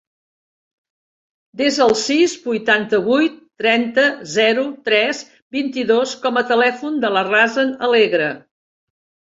Desa el sis, vuitanta-vuit, trenta, zero, tres, vint-i-dos com a telèfon de la Razan Alegre.